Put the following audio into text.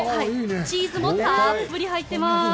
チーズもたっぷり入ってます。